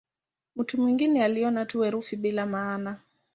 Mtu mwingine aliona tu herufi bila maana.